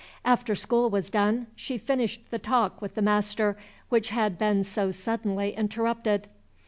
After school was done, she finished the talk with the master which had been so suddenly interrupted.